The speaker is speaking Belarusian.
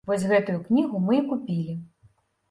Вось гэтую кнігу мы і купілі.